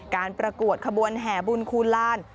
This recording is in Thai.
ประกวดขบวนแห่บุญคูณลาน